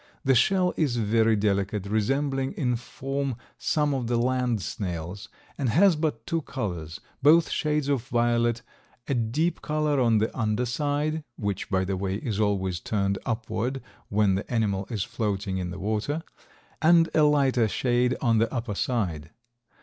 The shell is very delicate, resembling in form some of the land snails, and has but two colors, both shades of violet, a deep color on the under side (which, by the way, is always turned upward when the animal is floating in the water), and a lighter shade on the upper side.